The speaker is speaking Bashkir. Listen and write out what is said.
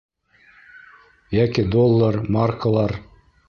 Йәки доллар-маркалар?